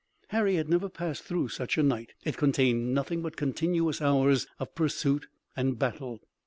Harry had never passed through such a night. It contained nothing but continuous hours of pursuit and battle.